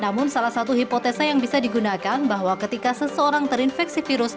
namun salah satu hipotesa yang bisa digunakan bahwa ketika seseorang terinfeksi virus